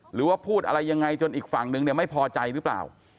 หรือว่าพูดอะไรยังไงจนอีกฝั่งนึงเนี่ยไม่พอใจหรือเปล่า